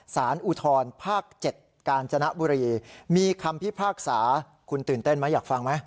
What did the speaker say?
สารอุทธรภาค๗กาญจนบุรีมีคำพิพากษาคุณตื่นเต้นไหมอยากฟังไหม